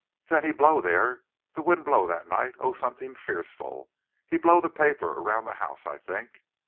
"Then he blow there. The wind blow that night, oh, something fearful! He blow the paper around the house, I think."